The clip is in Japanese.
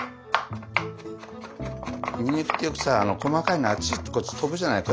にんにくってよくさ細かいのあちこち飛ぶじゃない。